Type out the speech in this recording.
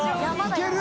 いける？